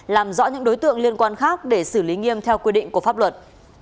làm rõ những đối tượng liên quan khác để xử lý nghiêm theo quy định của pháp luật